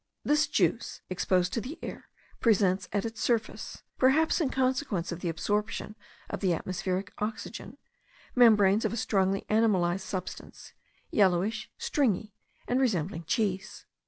This juice, exposed to the air, presents at its surface (perhaps in consequence of the absorption of the atmospheric oxygen) membranes of a strongly animalized substance, yellowish, stringy, and resembling cheese.